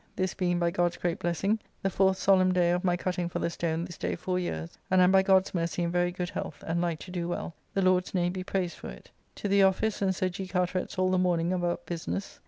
This being, by God's great blessing, the fourth solemn day of my cutting for the stone this day four years, and am by God's mercy in very good health, and like to do well, the Lord's name be praised for it. To the office and Sir G. Carteret's all the morning about business.